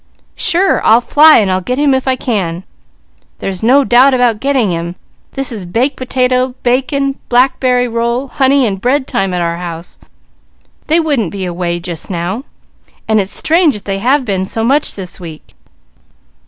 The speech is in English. "Sure! I'll fly, and I'll get him if I can." "There's no doubt about getting him. This is baked potato, bacon, blackberry roll, honey and bread time at our house. They wouldn't be away just now, and it's strange they have been so much this week."